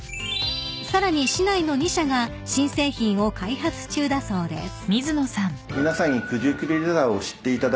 ［さらに市内の２社が新製品を開発中だそうです］